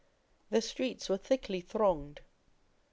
The streets were thickly thronged.